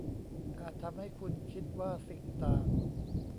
อาจทำให้คุณคิดว่าสิ่งต่าง